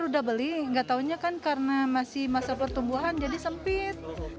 udah beli nggak tahunya kan karena masih masa pertumbuhan jadi sempit